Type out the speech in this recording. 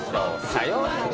さようなら。